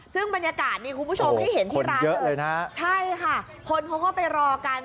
ซึ่งบรรยากาศนี้คุณผู้ชมได้เห็นที่ร้านนะใช่ค่ะคนก็ไปรอกัน